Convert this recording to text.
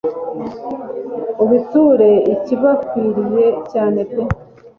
ubiture ikibakwiriye cyane pe